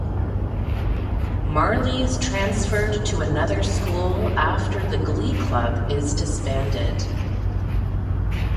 Marley is transferred to another school after the glee club is disbanded.